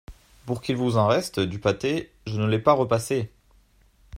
Pour qu’il vous en reste, du pâté, je ne l’ai pas repassé !